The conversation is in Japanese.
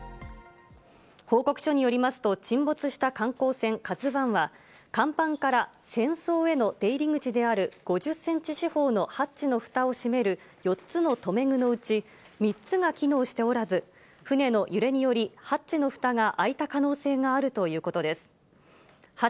報告書によりますと沈没した観光船「ＫＡＺＵ１」は、甲板から船倉への出入口である５０センチ四方のハッチの蓋を閉める４つの留め具のうち、３つが機能しておらず、船の揺れによりハッチの蓋が開いた可能性があるということです。